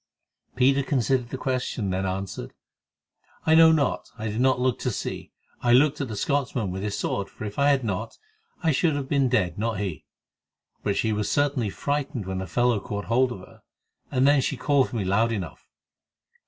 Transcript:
Peter considered the question, then answered: "I know not. I did not look to see; I looked at the Scotchman with his sword, for if I had not, I should have been dead, not he. But she was certainly frightened when the fellow caught hold of her, for then she called for me loud enough."